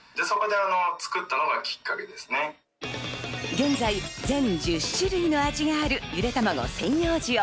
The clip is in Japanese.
現在、全１０種類の味がある、ゆでたまご専用塩。